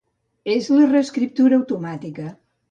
És la reescriptura automàtica.